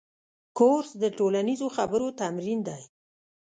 کورس د ټولنیزو خبرو تمرین دی.